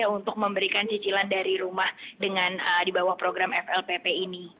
untuk memberikan cicilan dari rumah dengan di bawah program flpp ini